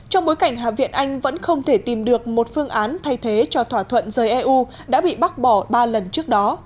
trong bối cảnh hạ viện anh vẫn không thể tìm được một phương án thay thế cho thỏa thuận rời eu đã bị bác bỏ ba lần trước đó